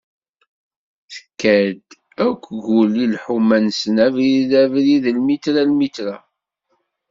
Tekka-d akk Guli lḥuma-nsen, abrid abrid, lmitra lmitra.